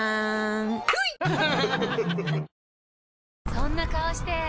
そんな顔して！